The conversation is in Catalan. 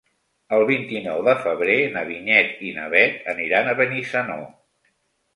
El vint-i-nou de febrer na Vinyet i na Bet aniran a Benissanó.